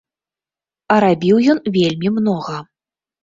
А рабіў ён вельмі многа.